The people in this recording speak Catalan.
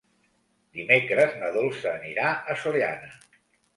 Dimecres na Dolça anirà a Sollana.